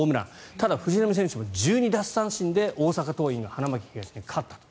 ただ、藤浪選手も１２奪三振で大阪桐蔭が花巻東に勝ったと。